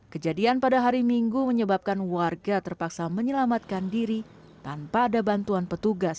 kejadian pada hari minggu menyebabkan warga terpaksa menyelamatkan diri tanpa ada bantuan petugas